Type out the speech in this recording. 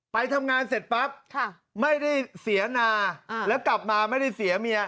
ไปทำงานเสร็จปั๊บไม่ได้เสียนาแล้วกลับมาไม่ได้เสียเมีย